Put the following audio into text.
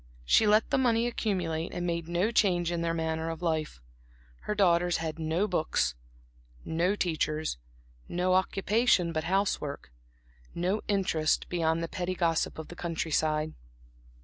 She let the money accumulate and made no change in their manner of life. Her daughters had no books, no teachers; no occupation but house work; no interest beyond the petty gossip of the country side.